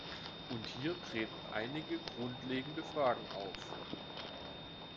Und hier treten einige grundlegende Fragen auf.